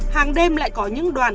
hàng đêm lại có những đoàn